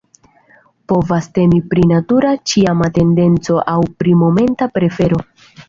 Povas temi pri natura, ĉiama tendenco aŭ pri momenta prefero.